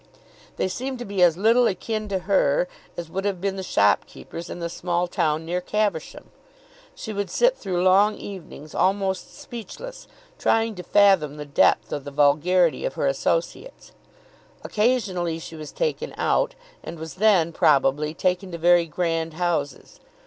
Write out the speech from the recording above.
They seemed to be as little akin to her as would have been the shopkeepers in the small town near Caversham. She would sit through long evenings almost speechless, trying to fathom the depth of the vulgarity of her associates. Occasionally she was taken out, and was then, probably, taken to very grand houses.